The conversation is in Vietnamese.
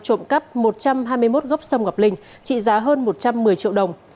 trộm cắp một trăm hai mươi một gốc sâm ngọc linh trị giá hơn một trăm một mươi triệu đồng